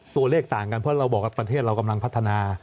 ตัวเลขต่างกันเพราะเราบอกว่าประเทศเรากำลังพัฒนา